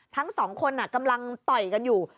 ทั้งสองคนกำลังต่อยกันอยู่